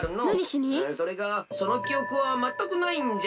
それがそのきおくはまったくないんじゃ。